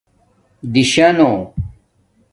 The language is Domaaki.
دِشانݸ